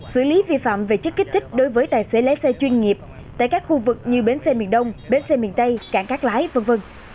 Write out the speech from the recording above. xử lý vi phạm về chất kích thích đối với tài xế lái xe chuyên nghiệp tại các khu vực như bến xe miền đông bến xe miền tây cảng cát lái v v